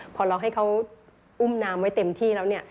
พอเราให้เขาอุ้มน้ำไว้เต็มที่แล้วเนี่ย